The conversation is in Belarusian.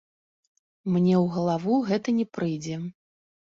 Мне ў галаву гэта не прыйдзе.